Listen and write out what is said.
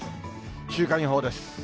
週間予報です。